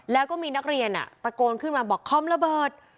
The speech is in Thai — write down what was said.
แล้วก็มีนักเรียนตะโกนขึ้นมาบอกคอมระเบิด